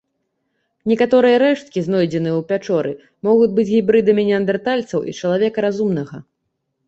Некаторыя рэшткі, знойдзеныя ў пячоры, могуць быць гібрыдамі неандэртальцаў і чалавека разумнага.